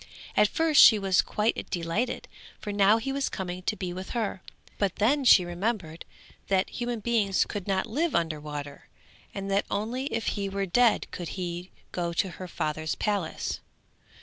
At first she was quite delighted, for now he was coming to be with her, but then she remembered that human beings could not live under water, and that only if he were dead could he go to her father's palace.